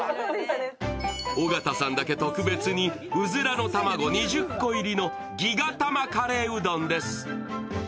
尾形さんだけ特別にうずらの卵２０個入りのギガ玉カレーうどんです。